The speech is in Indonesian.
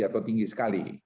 atau tinggi ya